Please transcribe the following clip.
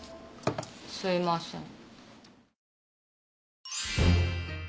すいません。